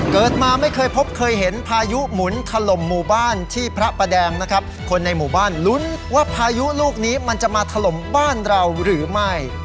เกิดมาไม่เคยพบเคยเห็นพายุหมุนถล่มหมู่บ้านที่พระประแดงนะครับคนในหมู่บ้านลุ้นว่าพายุลูกนี้มันจะมาถล่มบ้านเราหรือไม่